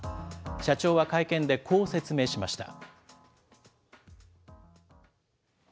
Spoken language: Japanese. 社長は会見でこう説明しました。